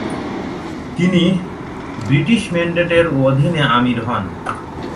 তিনি ব্রিটিশ মেন্ডেটের অধীনে আমির হন।